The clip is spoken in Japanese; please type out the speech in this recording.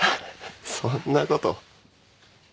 そんなこと